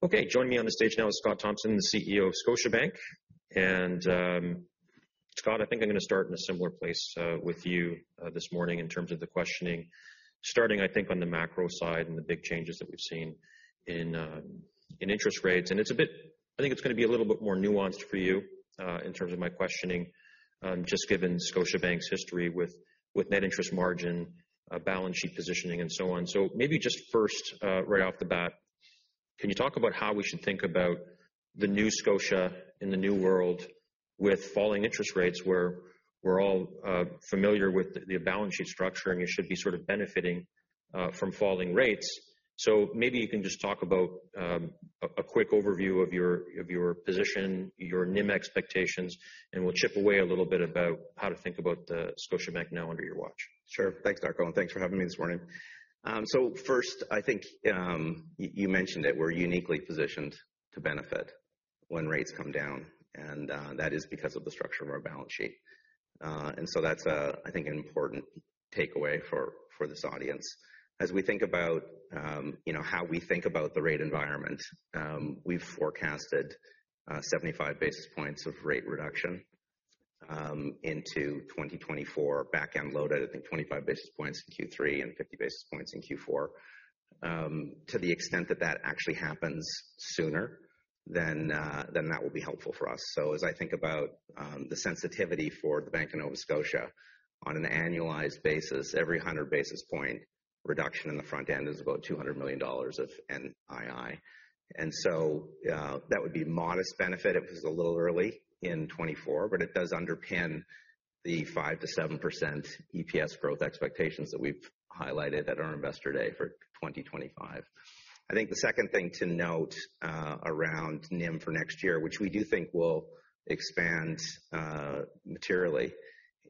Okay, joining me on the stage now is Scott Thomson, the CEO of Scotiabank. And, Scott, I think I'm gonna start in a similar place with you this morning in terms of the questioning, starting, I think, on the macro side and the big changes that we've seen in interest rates. And it's a bit, I think it's gonna be a little bit more nuanced for you in terms of my questioning just given Scotiabank's history with net interest margin, balance sheet positioning, and so on. So maybe just first right off the bat, can you talk about how we should think about the new Scotia in the new world with falling interest rates, where we're all familiar with the balance sheet structure, and you should be sort of benefiting from falling rates? Maybe you can just talk about a quick overview of your position, your NIM expectations, and we'll chip away a little bit about how to think about Scotiabank now under your watch. Sure. Thanks, Darko, and thanks for having me this morning. So first, I think, you mentioned it, we're uniquely positioned to benefit when rates come down, and that is because of the structure of our balance sheet. And so that's, I think, an important takeaway for this audience. As we think about, you know, how we think about the rate environment, we've forecasted 75 basis points of rate reduction into 2024, back-end loaded, I think, 25 basis points in Q3 and 50 basis points in Q4. To the extent that that actually happens sooner, then that will be helpful for us. So as I think about, the sensitivity for the Bank of Nova Scotia, on an annualized basis, every 100 basis point reduction in the front end is about 200 million dollars of NII. And so, that would be modest benefit if it's a little early in 2024, but it does underpin the 5%-7% EPS growth expectations that we've highlighted at our Investor Day for 2025. I think the second thing to note, around NIM for next year, which we do think will expand, materially,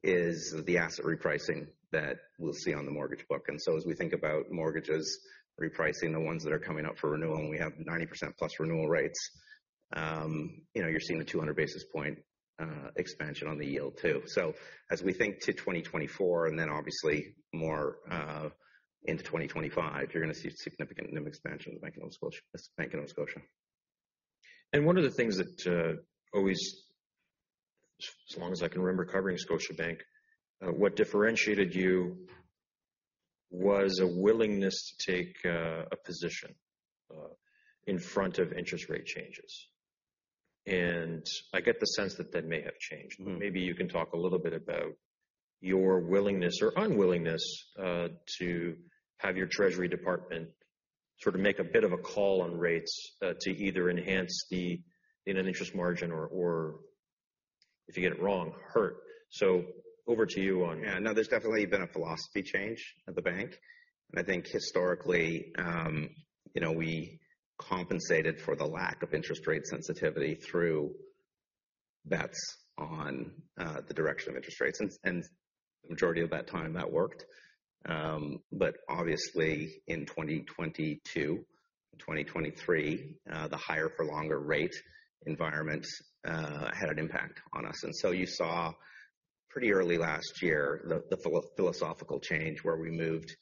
is the asset repricing that we'll see on the mortgage book. And so as we think about mortgages repricing, the ones that are coming up for renewal, and we have 90%+ renewal rates, you know, you're seeing the 200 basis point, expansion on the yield, too. So as we think to 2024, and then obviously more into 2025, you're gonna see significant new expansion of Bank of Nova Scotia. One of the things that always, as long as I can remember covering Scotiabank, what differentiated you was a willingness to take a position in front of interest rate changes. And I get the sense that that may have changed. Mm-hmm. Maybe you can talk a little bit about your willingness or unwillingness to have your treasury department sort of make a bit of a call on rates to either enhance the net interest margin or, or if you get it wrong, hurt. So over to you on- Yeah. No, there's definitely been a philosophy change at the bank. And I think historically, you know, we compensated for the lack of interest rate sensitivity through bets on the direction of interest rates, and the majority of that time, that worked. But obviously in 2022, 2023, the higher for longer rate environment had an impact on us. And so you saw pretty early last year, the philosophical change, where we moved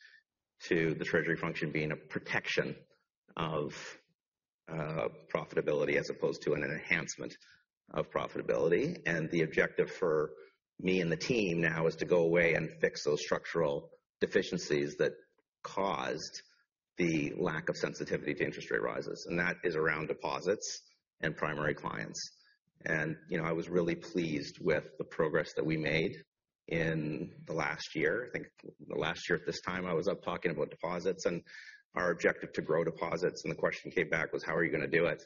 to the treasury function being a protection of profitability as opposed to an enhancement of profitability. And the objective for me and the team now is to go away and fix those structural deficiencies that caused the lack of sensitivity to interest rate rises, and that is around deposits and primary clients. You know, I was really pleased with the progress that we made in the last year. I think the last year at this time, I was up talking about deposits and our objective to grow deposits, and the question came back was: How are you gonna do it?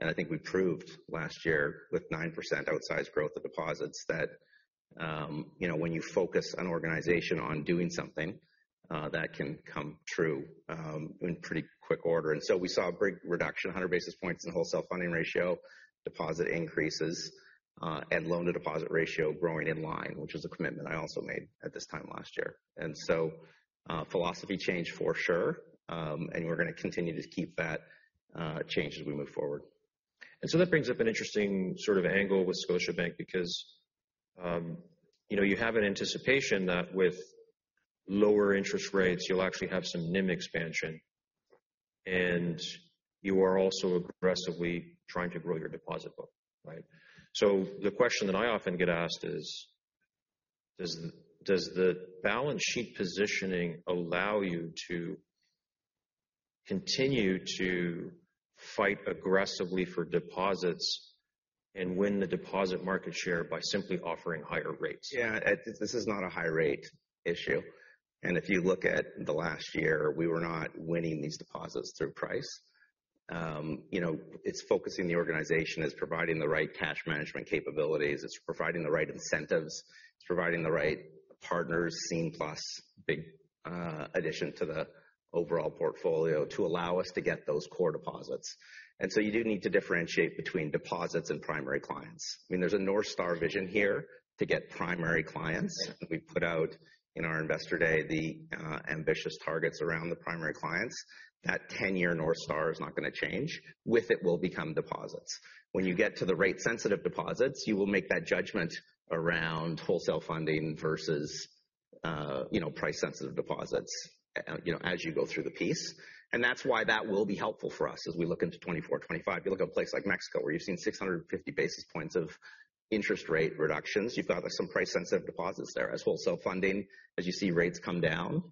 And I think we proved last year with 9% outsized growth of deposits, that, you know, when you focus an organization on doing something, that can come true, in pretty quick order. And so we saw a big reduction, 100 basis points in wholesale funding ratio, deposit increases, and loan-to-deposit ratio growing in line, which was a commitment I also made at this time last year. And so, philosophy changed for sure, and we're gonna continue to keep that change as we move forward. And so that brings up an interesting sort of angle with Scotiabank, because, you know, you have an anticipation that with lower interest rates, you'll actually have some NIM expansion, and you are also aggressively trying to grow your deposit book, right? So the question that I often get asked is: Does the, does the balance sheet positioning allow you to continue to fight aggressively for deposits and win the deposit market share by simply offering higher rates? Yeah, this is not a high rate issue. And if you look at the last year, we were not winning these deposits through price. You know, it's focusing the organization, it's providing the right cash management capabilities, it's providing the right incentives, it's providing the right partners. Scene+, big, addition to the overall portfolio to allow us to get those core deposits. And so you do need to differentiate between deposits and primary clients. I mean, there's a North Star vision here to get primary clients. We put out in our Investor Day, the ambitious targets around the primary clients. That ten-year North Star is not gonna change. With it will become deposits. When you get to the rate-sensitive deposits, you will make that judgment around wholesale funding versus... you know, price sensitive deposits, you know, as you go through the piece. That's why that will be helpful for us as we look into 2024, 2025. You look at a place like Mexico, where you've seen 650 basis points of interest rate reductions. You've got some price sensitive deposits there as wholesale funding. As you see rates come down,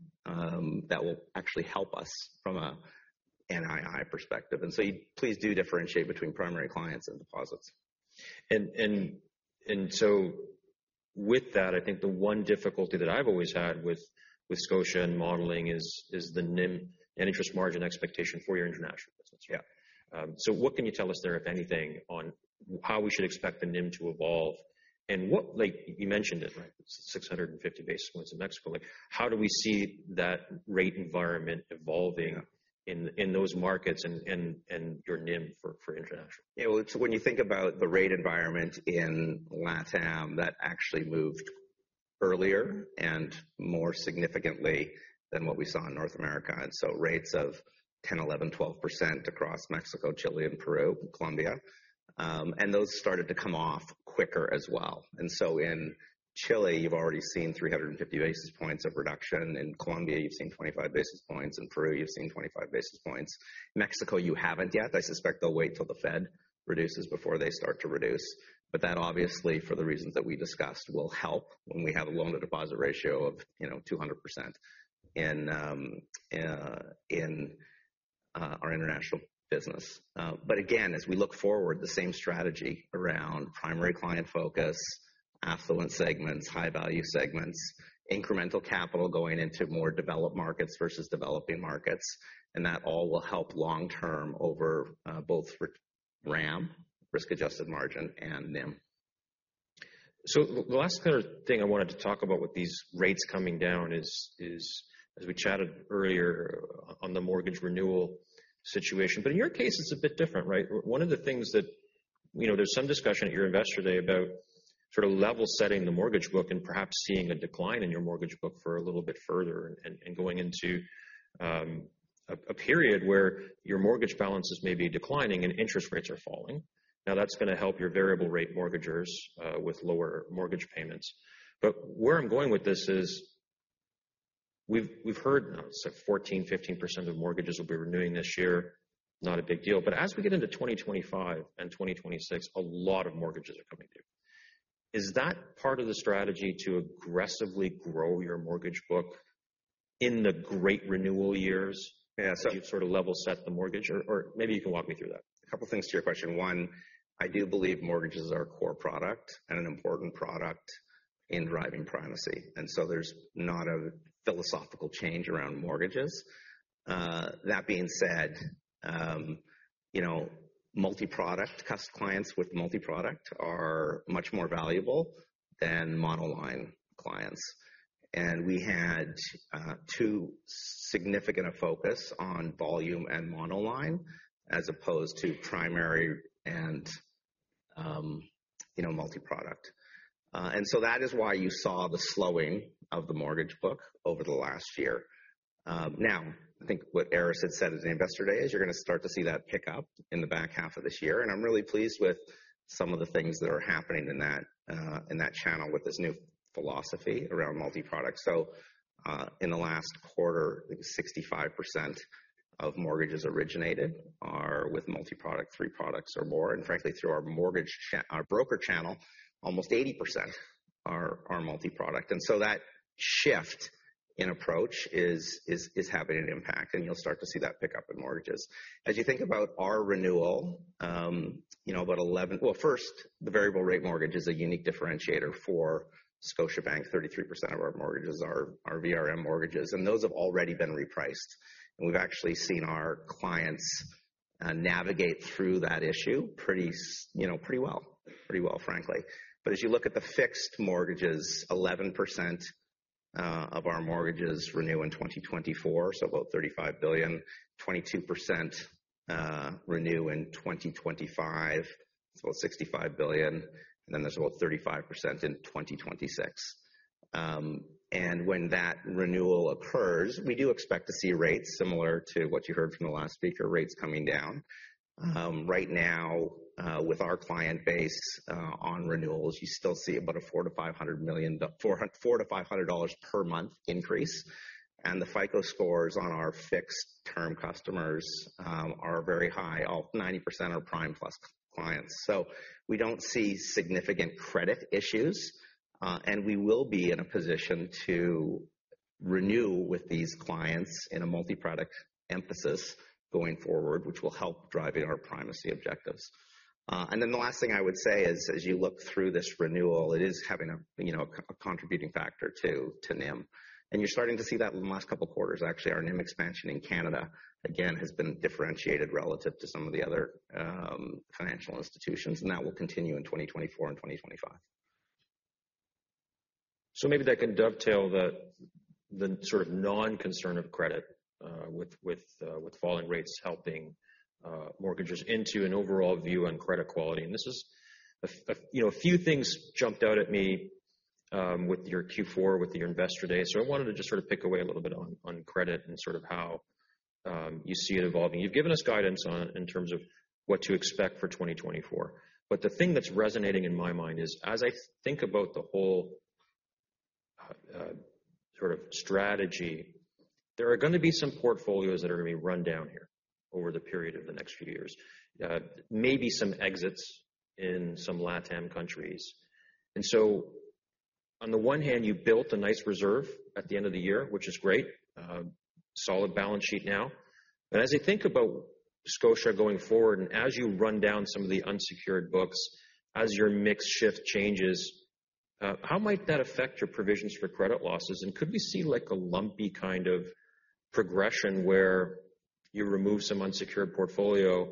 that will actually help us from a NII perspective. And so please do differentiate between primary clients and deposits. So with that, I think the one difficulty that I've always had with Scotia and modeling is the NIM net interest margin expectation for your international business. Yeah. So, what can you tell us there, if anything, on how we should expect the NIM to evolve? And what like you mentioned it, right? 650 basis points in Mexico. Like, how do we see that rate environment evolving in those markets and your NIM for international? Yeah, well, so when you think about the rate environment in Latam, that actually moved earlier and more significantly than what we saw in North America. And so rates of 10%, 11%, 12% across Mexico, Chile, and Peru, Colombia, and those started to come off quicker as well. And so in Chile, you've already seen 350 basis points of reduction. In Colombia, you've seen 25 basis points. In Peru, you've seen 25 basis points. Mexico, you haven't yet. I suspect they'll wait till the Fed reduces before they start to reduce. But that obviously, for the reasons that we discussed, will help when we have a loan-to-deposit ratio of, you know, 200% in our international business. But again, as we look forward, the same strategy around primary client focus, affluent segments, high value segments, incremental capital going into more developed markets versus developing markets, and that all will help long term over both RAM, risk-adjusted margin, and NIM. So the last kind of thing I wanted to talk about with these rates coming down is as we chatted earlier on the mortgage renewal situation, but in your case, it's a bit different, right? One of the things that... You know, there's some discussion at your investor day about sort of level setting the mortgage book and perhaps seeing a decline in your mortgage book for a little bit further and going into a period where your mortgage balances may be declining and interest rates are falling. Now, that's going to help your variable rate mortgagers with lower mortgage payments. But where I'm going with this is, we've heard now, so 14%-15% of mortgages will be renewing this year. Not a big deal, but as we get into 2025 and 2026, a lot of mortgages are coming due. Is that part of the strategy to aggressively grow your mortgage book in the great renewal years? Yeah, so- You sort of level set the mortgage, or, or maybe you can walk me through that? A couple things to your question. One, I do believe mortgages are a core product and an important product in driving primacy, and so there's not a philosophical change around mortgages. That being said, you know, multiproduct clients with multiproduct are much more valuable than monoline clients. And we had too significant a focus on volume and monoline as opposed to primary and, you know, multiproduct. And so that is why you saw the slowing of the mortgage book over the last year. Now, I think what Aris had said at the Investor Day is you're going to start to see that pick up in the back half of this year, and I'm really pleased with some of the things that are happening in that channel with this new philosophy around multiproduct. So, in the last quarter, 65% of mortgages originated are with multiproduct, three products or more. And frankly, through our mortgage our broker channel, almost 80% are multiproduct. And so that shift in approach is having an impact, and you'll start to see that pick up in mortgages. As you think about our renewal, you know, first, the variable rate mortgage is a unique differentiator for Scotiabank. 33% of our mortgages are our VRM mortgages, and those have already been repriced. And we've actually seen our clients navigate through that issue pretty you know, pretty well. Pretty well, frankly. But as you look at the fixed mortgages, 11% of our mortgages renew in 2024, so about 35 billion. 22% renew in 2025, so about 65 billion. Then there's about 35% in 2026. And when that renewal occurs, we do expect to see rates similar to what you heard from the last speaker, rates coming down. Right now, with our client base, on renewals, you still see about a 400 million-500 million per month increase, and the FICO scores on our fixed-term customers are very high. All 90% are prime plus clients. So we don't see significant credit issues, and we will be in a position to renew with these clients in a multiproduct emphasis going forward, which will help driving our primacy objectives. And then the last thing I would say is, as you look through this renewal, it is having a, you know, a contributing factor to NIM. You're starting to see that in the last couple of quarters. Actually, our NIM expansion in Canada, again, has been differentiated relative to some of the other financial institutions, and that will continue in 2024 and 2025. So maybe that can dovetail the sort of non-concern of credit with falling rates helping mortgages into an overall view on credit quality. And this is, you know, a few things jumped out at me with your Q4, with your Investor Day. So I wanted to just sort of pick away a little bit on credit and sort of how you see it evolving. You've given us guidance on it in terms of what to expect for 2024. But the thing that's resonating in my mind is, as I think about the whole sort of strategy, there are gonna be some portfolios that are gonna be run down here over the period of the next few years. Maybe some exits in some Latam countries. On the one hand, you built a nice reserve at the end of the year, which is great, solid balance sheet now. As I think about Scotia going forward, and as you run down some of the unsecured books, as your mix shift changes, how might that affect your provisions for credit losses? And could we see like a lumpy kind of progression where you remove some unsecured portfolio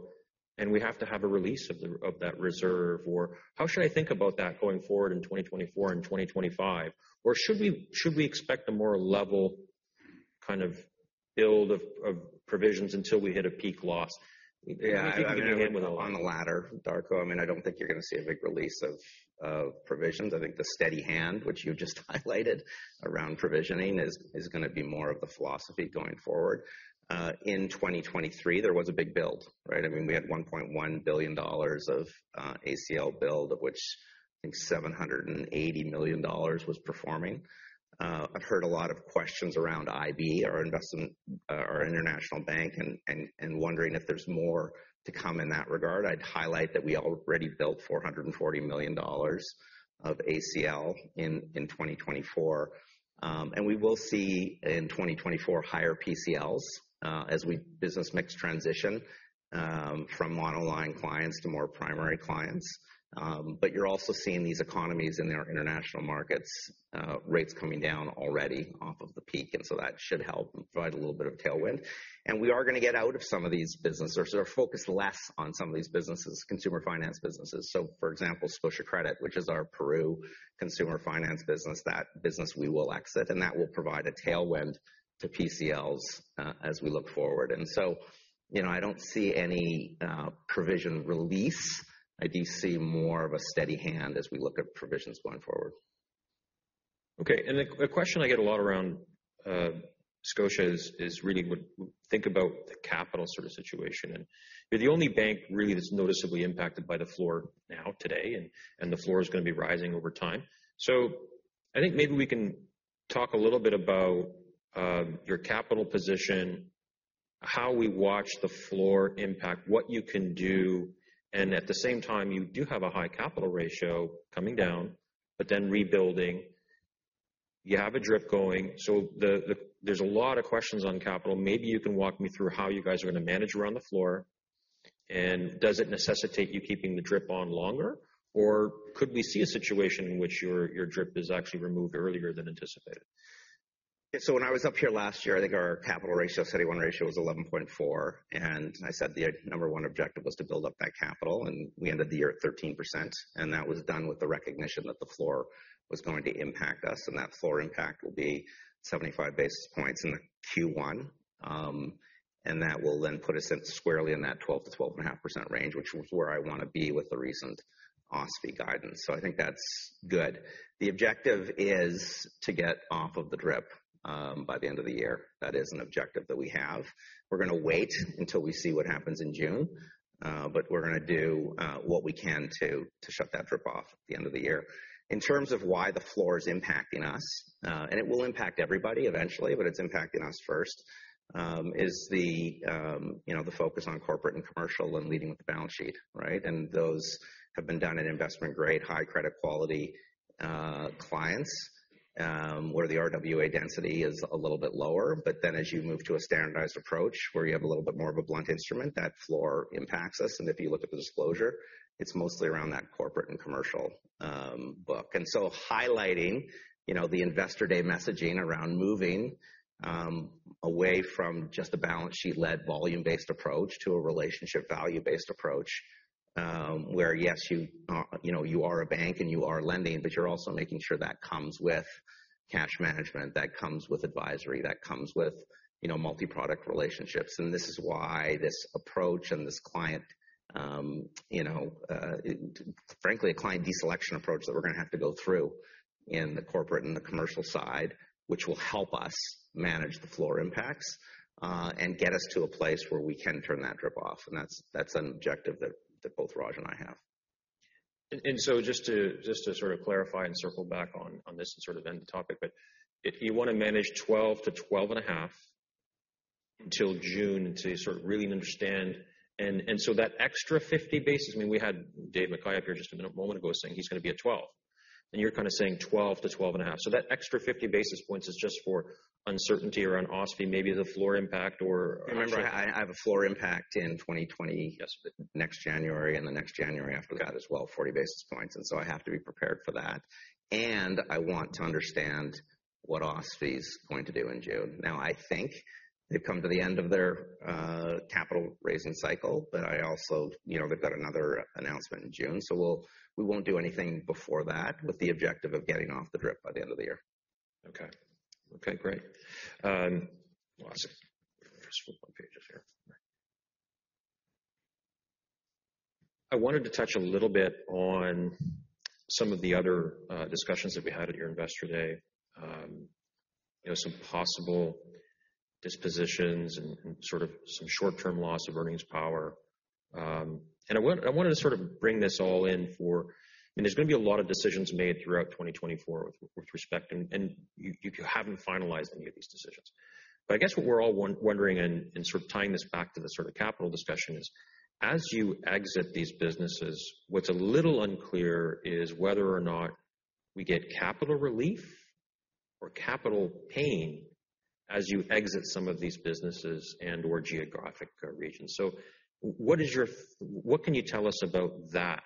and we have to have a release of that reserve? Or how should I think about that going forward in 2024 and 2025? Or should we, should we expect a more level kind of build of provisions until we hit a peak loss? Yeah, I mean, on the latter, Darko. I mean, I don't think you're gonna see a big release of provisions. I think the steady hand, which you just highlighted around provisioning, is gonna be more of the philosophy going forward. In 2023, there was a big build, right? I mean, we had 1.1 billion dollars of ACL build, of which I think 780 million dollars was performing. I've heard a lot of questions around IB, our investment, our international bank, and wondering if there's more to come in that regard. I'd highlight that we already built 440 million dollars of ACL in 2024. And we will see in 2024, higher PCLs, as we business mix transition, from monoline clients to more primary clients. But you're also seeing these economies in our international markets, rates coming down already off of the peak, and so that should help provide a little bit of tailwind. And we are gonna get out of some of these businesses or sort of focus less on some of these businesses, consumer finance businesses. So for example, Scotia Credit, which is our Peru consumer finance business, that business we will exit, and that will provide a tailwind to PCLs, as we look forward. And so, you know, I don't see any, provision release. I do see more of a steady hand as we look at provisions going forward. Okay, and the question I get a lot around Scotia is really would think about the capital sort of situation, and you're the only bank really that's noticeably impacted by the floor now, today, and the floor is gonna be rising over time. So I think maybe we can talk a little bit about your capital position, how we watch the floor impact, what you can do, and at the same time, you do have a high capital ratio coming down, but then rebuilding. You have a DRIP going, so the-- there's a lot of questions on capital. Maybe you can walk me through how you guys are gonna manage around the floor, and does it necessitate you keeping the DRIP on longer? Or could we see a situation in which your DRIP is actually removed earlier than anticipated? So when I was up here last year, I think our capital ratio, CET1 ratio, was 11.4, and I said the number one objective was to build up that capital, and we ended the year at 13%, and that was done with the recognition that the floor was going to impact us, and that floor impact will be 75 basis points in the Q1. And that will then put us in squarely in that 12%-12.5% range, which was where I wanna be with the recent OSFI guidance. So I think that's good. The objective is to get off of the DRIP by the end of the year. That is an objective that we have. We're gonna wait until we see what happens in June, but we're gonna do what we can to shut that DRIP off at the end of the year. In terms of why the floor is impacting us, and it will impact everybody eventually, but it's impacting us first, is the, you know, the focus on corporate and commercial and leading with the balance sheet, right? And those have been done in investment-grade, high credit quality, clients, where the RWA density is a little bit lower. But then as you move to a standardized approach, where you have a little bit more of a blunt instrument, that floor impacts us, and if you look at the disclosure, it's mostly around that corporate and commercial, book. Highlighting, you know, the Investor Day messaging around moving away from just a balance sheet-led, volume-based approach to a relationship value-based approach, where, yes, you know, you are a bank and you are lending, but you're also making sure that comes with cash management, that comes with advisory, that comes with, you know, multi-product relationships. And this is why this approach and this client, frankly, a client deselection approach that we're gonna have to go through in the corporate and the commercial side, which will help us manage the floor impacts and get us to a place where we can turn that drip off. And that's an objective that both Raj and I have. So just to sort of clarify and circle back on this and sort of end the topic, but if you wanna manage 12%-12.5% until June to sort of really understand. And so that extra 50 basis, I mean, we had Dave McKay up here just a moment ago saying he's gonna be at 12%, and you're kind of saying 12%-12.5%. So that extra 50 basis points is just for uncertainty around OSFI, maybe the floor impact or- Remember, I have a floor impact in 2020- Yes. Next January and the next January after that as well, 40 basis points, and so I have to be prepared for that. And I want to understand what OSFI's going to do in June. Now, I think they've come to the end of their capital raising cycle, but I also... You know, they've got another announcement in June, so we won't do anything before that with the objective of getting off the DRIP by the end of the year. Okay. Okay, great. Awesome. Just flip my pages here. I wanted to touch a little bit on some of the other discussions that we had at your Investor Day. You know, some possible dispositions and, and sort of some short-term loss of earnings power. And I want, I wanted to sort of bring this all in for—and there's going to be a lot of decisions made throughout 2024 with, with respect, and, and you, you haven't finalized any of these decisions. But I guess what we're all wondering and, and sort of tying this back to the sort of capital discussion is, as you exit these businesses, what's a little unclear is whether or not we get capital relief or capital pain as you exit some of these businesses and or geographic regions. So, what can you tell us about that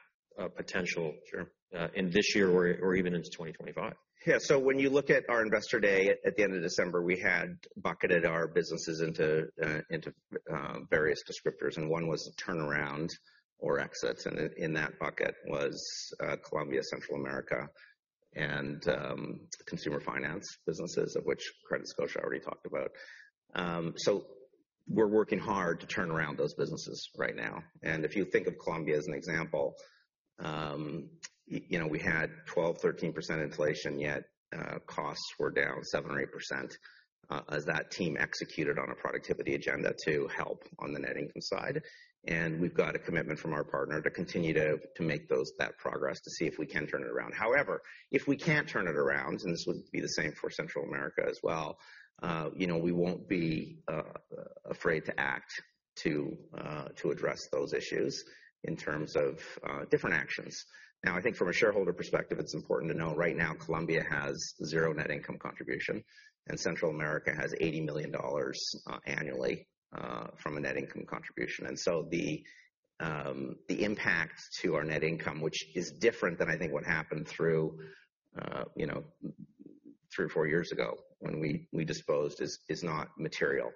potential- Sure. in this year or, or even into 2025? Yeah. So when you look at our Investor Day at the end of December, we had bucketed our businesses into various descriptors, and one was turnaround or exits, and in that bucket was Colombia, Central America, and consumer finance businesses, of which Scotia Credit already talked about. So we're working hard to turn around those businesses right now. And if you think of Colombia as an example, you know, we had 12%-13% inflation, yet costs were down 7% or 8%, as that team executed on a productivity agenda to help on the net income side. And we've got a commitment from our partner to continue to make that progress, to see if we can turn it around. However, if we can't turn it around, and this would be the same for Central America as well, you know, we won't be afraid to act to address those issues in terms of different actions. Now, I think from a shareholder perspective, it's important to know right now, Colombia has zero net income contribution, and Central America has 80 million dollars annually from a net income contribution. And so the impact to our net income, which is different than I think what happened through, you know, three or four years ago when we disposed, is not material.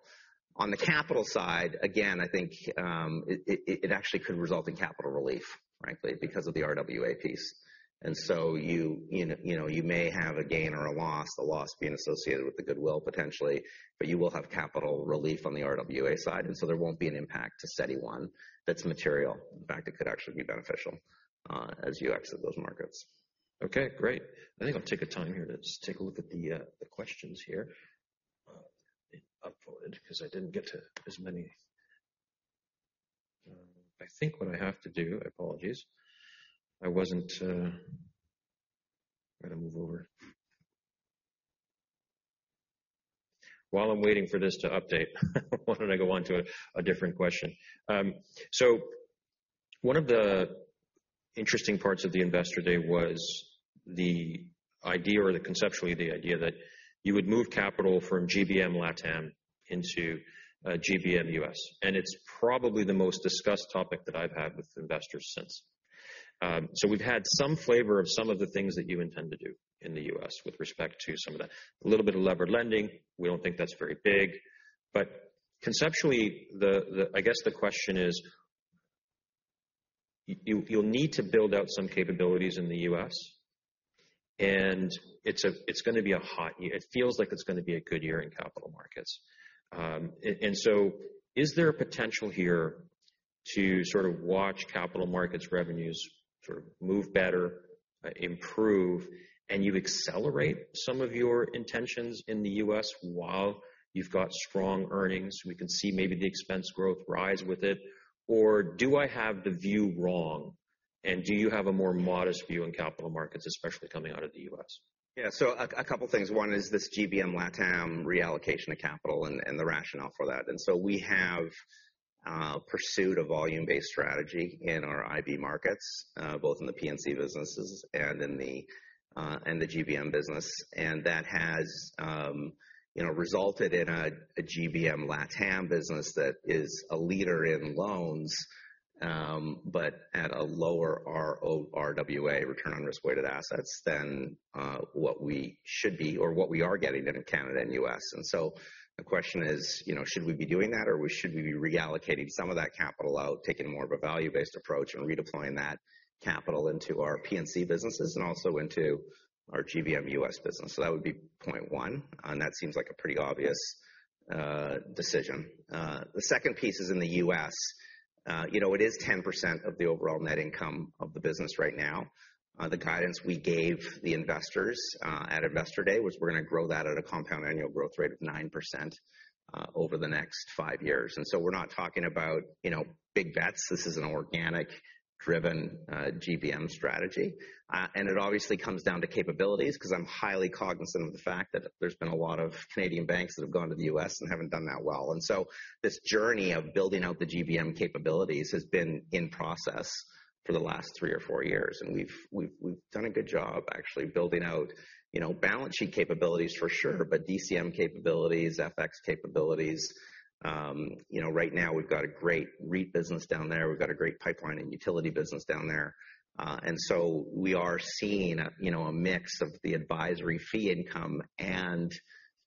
On the capital side, again, I think, it actually could result in capital relief, frankly, because of the RWA piece. So you know, you may have a gain or a loss, the loss being associated with the goodwill, potentially, but you will have capital relief on the RWA side, and so there won't be an impact to CET1 that's material. In fact, it could actually be beneficial as you exit those markets. Okay, great. I think I'll take a time here to just take a look at the questions here upvoted, because I didn't get to as many. I think what I have to do, apologies, I wasn't- I've got to move over. While I'm waiting for this to update, why don't I go on to a different question? So one of the interesting parts of the Investor Day was the idea or the conceptually, the idea that you would move capital from GBM Latam into GBM US, and it's probably the most discussed topic that I've had with investors since. So we've had some flavor of some of the things that you intend to do in the US with respect to some of that. A little bit of levered lending, we don't think that's very big. But conceptually, I guess the question is, you'll need to build out some capabilities in the U.S., and it's going to be a hot year. It feels like it's going to be a good year in capital markets. So is there a potential here to sort of watch capital markets revenues sort of move better, improve, and you accelerate some of your intentions in the U.S. while you've got strong earnings? We can see maybe the expense growth rise with it. Or do I have the view wrong? And do you have a more modest view on capital markets, especially coming out of the U.S.? Yeah, so a couple of things. One is this GBM Latam reallocation of capital and the rationale for that. And so we have pursued a volume-based strategy in our IB markets, both in the P&C businesses and in the GBM business. And that has, you know, resulted in a GBM Latam business that is a leader in loans, but at a lower RO-RWA, return on risk-weighted assets, than what we should be or what we are getting in Canada and U.S. And so the question is, you know, should we be doing that, or should we be reallocating some of that capital out, taking more of a value-based approach, and redeploying that capital into our P&C businesses and also into our GBM U.S. business? So that would be point one, and that seems like a pretty obvious decision. The second piece is in the U.S., you know, it is 10% of the overall net income of the business right now. The guidance we gave the investors at Investor Day was we're gonna grow that at a compound annual growth rate of 9% over the next five years. And so we're not talking about, you know, big bets. This is an organic-driven GBM strategy. And it obviously comes down to capabilities, because I'm highly cognizant of the fact that there's been a lot of Canadian banks that have gone to the U.S. and haven't done that well. And so this journey of building out the GBM capabilities has been in process for the last three or four years, and we've done a good job actually building out, you know, balance sheet capabilities for sure, but DCM capabilities, FX capabilities. You know, right now, we've got a great REIT business down there. We've got a great pipeline and utility business down there. And so we are seeing a, you know, a mix of the advisory fee income and,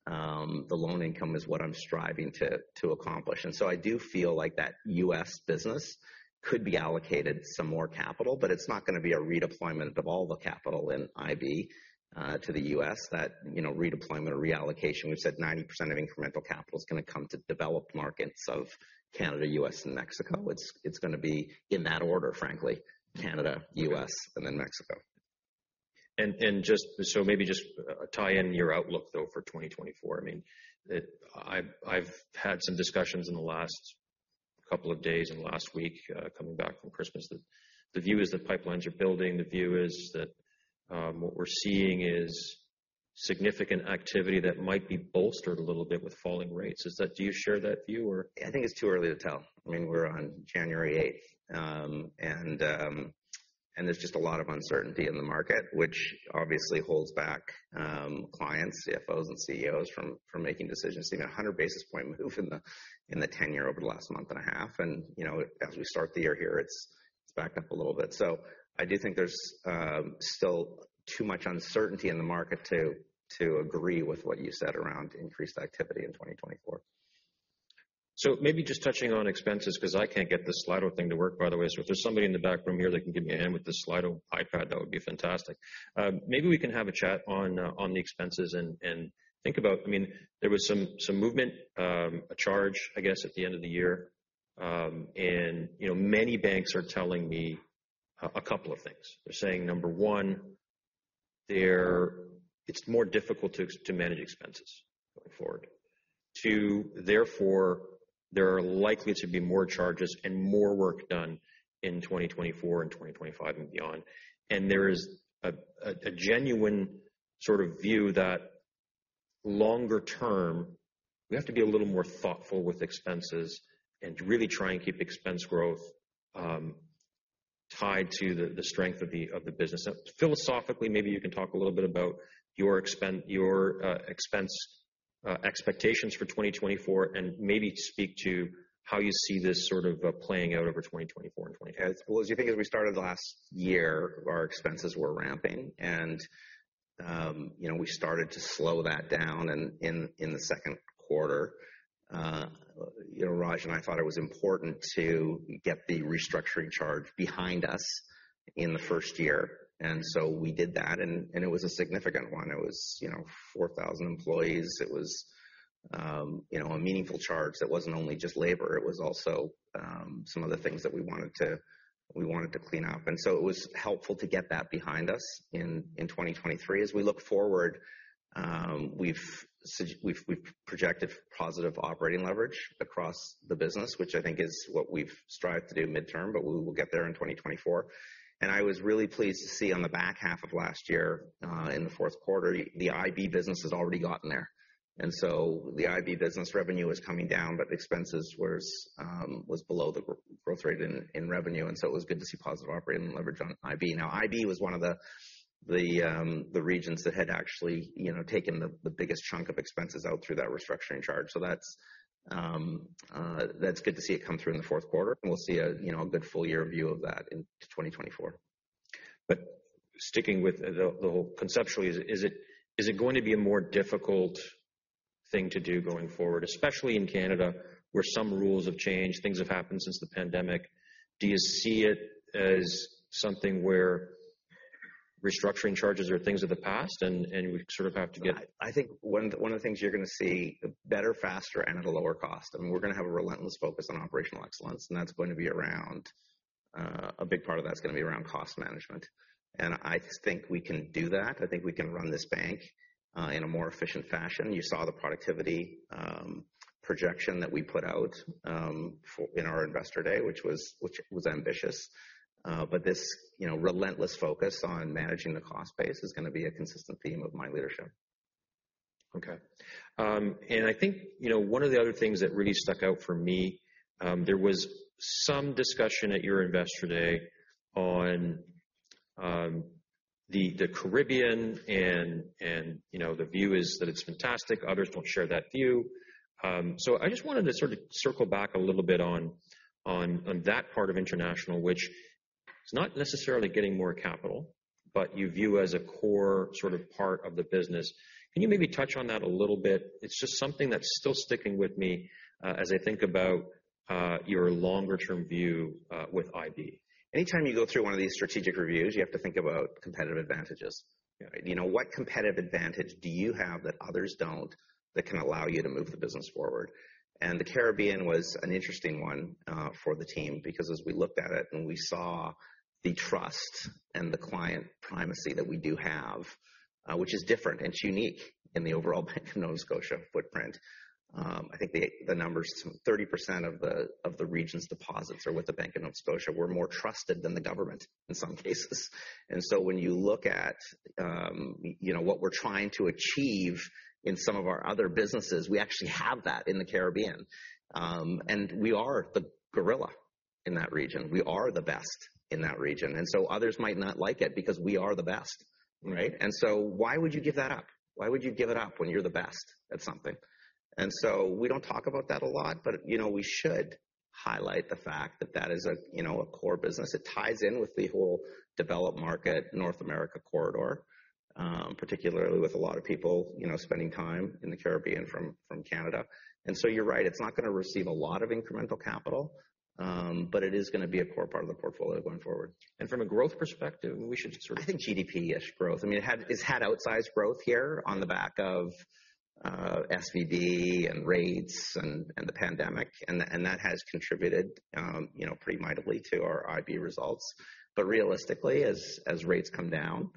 the loan income is what I'm striving to accomplish. And so I do feel like that U.S. business could be allocated some more capital, but it's not gonna be a redeployment of all the capital in IB to the U.S. That, you know, redeployment or reallocation, we've said 90% of incremental capital is gonna come to developed markets of Canada, U.S., and Mexico. It's gonna be in that order, frankly, Canada, U.S., and then Mexico.... just so maybe just tie in your outlook, though, for 2024. I mean, I've had some discussions in the last couple of days and last week, coming back from Christmas, that the view is that pipelines are building. The view is that what we're seeing is significant activity that might be bolstered a little bit with falling rates. Is that, do you share that view or? I think it's too early to tell. I mean, we're on January 8th. And there's just a lot of uncertainty in the market, which obviously holds back, clients, CFOs, and CEOs from making decisions, even a 100 basis point move in the 10-year over the last month and a half. And, you know, as we start the year here, it's backed up a little bit. So I do think there's still too much uncertainty in the market to agree with what you said around increased activity in 2024. So maybe just touching on expenses, because I can't get the Slido thing to work, by the way. So if there's somebody in the back room here that can give me a hand with this Slido iPad, that would be fantastic. Maybe we can have a chat on the expenses and think about... I mean, there was some movement, a charge, I guess, at the end of the year. And, you know, many banks are telling me a couple of things. They're saying, number one, it's more difficult to manage expenses going forward. Two, therefore, there are likely to be more charges and more work done in 2024 and 2025 and beyond. There is a genuine sort of view that longer term, we have to be a little more thoughtful with expenses and really try and keep expense growth tied to the strength of the business. Philosophically, maybe you can talk a little bit about your expense expectations for 2024, and maybe speak to how you see this sort of playing out over 2024 and 2025. As well as you think, as we started last year, our expenses were ramping and, you know, we started to slow that down and in, in the second quarter, you know, Raj and I thought it was important to get the restructuring charge behind us in the first year. And so we did that, and, and it was a significant one. It was, you know, 4,000 employees. It was, you know, a meaningful charge that wasn't only just labor, it was also, some of the things that we wanted to, we wanted to clean up. And so it was helpful to get that behind us in, in 2023. As we look forward, we've projected positive operating leverage across the business, which I think is what we've strived to do midterm, but we will get there in 2024. I was really pleased to see on the back half of last year, in the fourth quarter, the IB business has already gotten there. And so the IB business revenue is coming down, but expenses was below the growth rate in revenue, and so it was good to see positive operating leverage on IB. Now, IB was one of the regions that had actually, you know, taken the biggest chunk of expenses out through that restructuring charge. So that's good to see it come through in the fourth quarter, and we'll see a, you know, a good full year view of that in 2024. But sticking with the whole... Conceptually, is it going to be a more difficult thing to do going forward, especially in Canada, where some rules have changed, things have happened since the pandemic? Do you see it as something where restructuring charges are things of the past and we sort of have to get- I think one of the things you're going to see better, faster, and at a lower cost, and we're going to have a relentless focus on operational excellence, and that's going to be around a big part of that's going to be around cost management. And I think we can do that. I think we can run this bank in a more efficient fashion. You saw the productivity projection that we put out in our Investor Day, which was ambitious. But this, you know, relentless focus on managing the cost base is going to be a consistent theme of my leadership. Okay. And I think, you know, one of the other things that really stuck out for me, there was some discussion at your Investor Day on, the, the Caribbean and, and, you know, the view is that it's fantastic. Others don't share that view. So I just wanted to sort of circle back a little bit on, on, on that part of international, which is not necessarily getting more capital, but you view as a core sort of part of the business. Can you maybe touch on that a little bit? It's just something that's still sticking with me, as I think about, your longer-term view, with IB. Anytime you go through one of these strategic reviews, you have to think about competitive advantages. You know, what competitive advantage do you have that others don't, that can allow you to move the business forward? And the Caribbean was an interesting one for the team, because as we looked at it and we saw the trust and the client primacy that we do have, which is different and it's unique in the overall Bank of Nova Scotia footprint. I think the numbers, 30% of the region's deposits are with the Bank of Nova Scotia. We're more trusted than the government in some cases. And so when you look at, you know, what we're trying to achieve in some of our other businesses, we actually have that in the Caribbean. And we are the gorilla in that region. We are the best in that region. And so others might not like it because we are the best, right? And so why would you give that up? Why would you give it up when you're the best at something? And so we don't talk about that a lot, but, you know, we should highlight the fact that that is a, you know, a core business. It ties in with the whole developed market, North America corridor, particularly with a lot of people, you know, spending time in the Caribbean from Canada. And so you're right, it's not going to receive a lot of incremental capital, but it is going to be a core part of the portfolio going forward. And from a growth perspective, we should sort of think GDP-ish growth. I mean, it's had outsized growth here on the back of. SVB and rates and the pandemic. And that has contributed, you know, pretty mightily to our IB results. But realistically, as rates come down,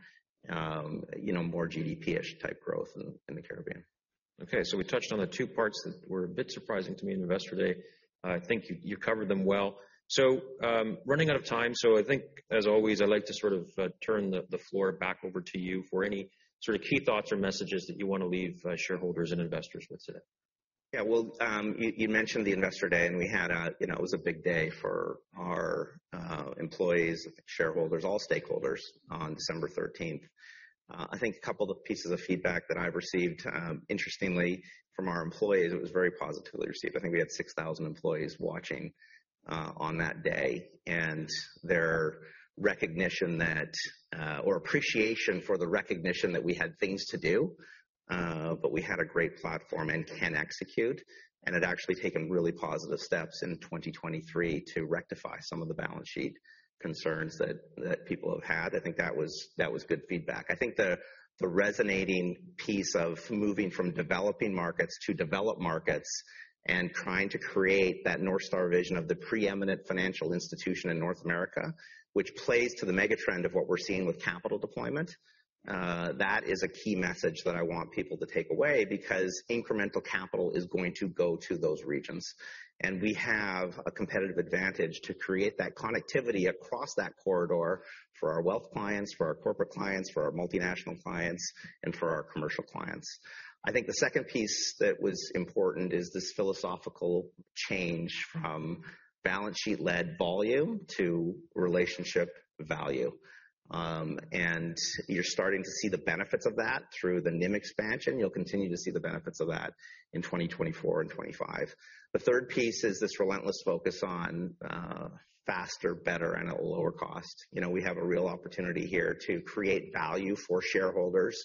you know, more GDP-ish type growth in the Caribbean. Okay, so we touched on the two parts that were a bit surprising to me in Investor Day. I think you covered them well. So, running out of time. So I think as always, I'd like to sort of turn the floor back over to you for any sort of key thoughts or messages that you want to leave shareholders and investors with today. Yeah, well, you mentioned the Investor Day, and we had—you know, it was a big day for our employees, shareholders, all stakeholders on December 13th. I think a couple of pieces of feedback that I received, interestingly, from our employees, it was very positively received. I think we had 6,000 employees watching on that day, and their recognition that or appreciation for the recognition that we had things to do, but we had a great platform and can execute, and had actually taken really positive steps in 2023 to rectify some of the balance sheet concerns that people have had. I think that was good feedback. I think the resonating piece of moving from developing markets to developed markets and trying to create that North Star vision of the preeminent financial institution in North America, which plays to the mega trend of what we're seeing with capital deployment, that is a key message that I want people to take away, because incremental capital is going to go to those regions. And we have a competitive advantage to create that connectivity across that corridor for our wealth clients, for our corporate clients, for our multinational clients, and for our commercial clients. I think the second piece that was important is this philosophical change from balance sheet-led volume to relationship value. And you're starting to see the benefits of that through the NIM expansion. You'll continue to see the benefits of that in 2024 and 2025. The third piece is this relentless focus on faster, better, and at a lower cost. You know, we have a real opportunity here to create value for shareholders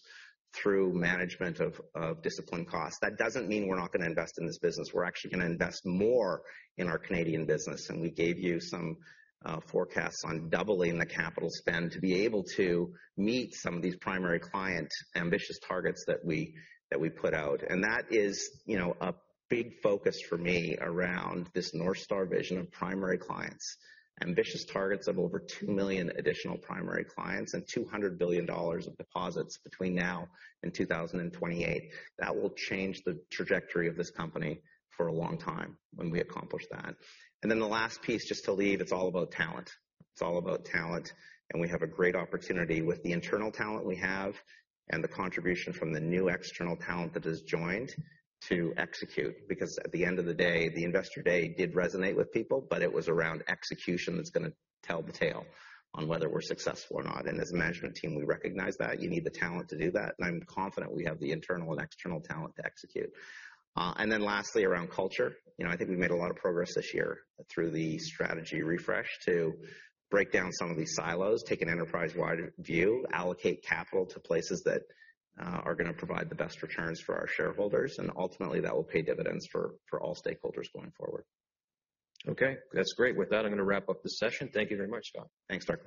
through management of disciplined costs. That doesn't mean we're not going to invest in this business. We're actually going to invest more in our Canadian business, and we gave you some forecasts on doubling the capital spend to be able to meet some of these primary clients' ambitious targets that we put out. And that is, you know, a big focus for me around this North Star vision of primary clients. Ambitious targets of over 2 million additional primary clients and 200 billion dollars of deposits between now and 2028. That will change the trajectory of this company for a long time when we accomplish that. Then the last piece, just to leave, it's all about talent. It's all about talent, and we have a great opportunity with the internal talent we have and the contribution from the new external talent that has joined to execute. Because at the end of the day, the Investor Day did resonate with people, but it was around execution that's going to tell the tale on whether we're successful or not. And as a management team, we recognize that you need the talent to do that, and I'm confident we have the internal and external talent to execute. And then lastly, around culture. You know, I think we made a lot of progress this year through the strategy refresh to break down some of these silos, take an enterprise-wide view, allocate capital to places that are going to provide the best returns for our shareholders, and ultimately that will pay dividends for, for all stakeholders going forward. Okay, that's great. With that, I'm going to wrap up the session. Thank you very much, John. Thanks, Mark.